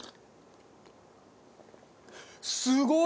すごい！